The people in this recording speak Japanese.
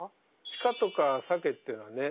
シカとかサケっていうのはね